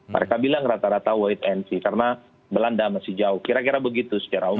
mereka bilang rata rata wait and see karena belanda masih jauh kira kira begitu secara umum